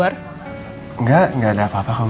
pasti komik makan sampe aku gabaken